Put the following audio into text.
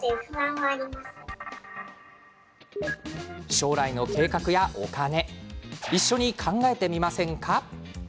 将来の計画やお金一緒に考えてみませんか？